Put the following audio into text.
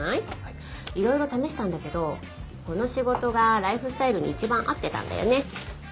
いろいろ試したんだけどこの仕事がライフスタイルに一番合ってたんだよね。